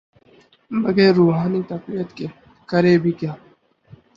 بغیر روحانی تقویت کے، کرے بھی کیا۔